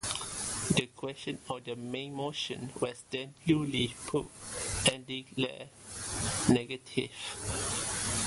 The question on the main motion was then duly put and declared negatived.